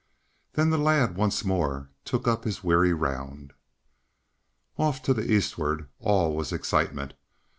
Then the lad once more took up his weary round. Off to the eastward, all was still excitement.